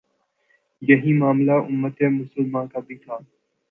یہی معاملہ امت مسلمہ کا بھی تھا۔